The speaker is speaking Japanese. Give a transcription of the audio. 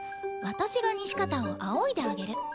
私が西片をあおいであげる。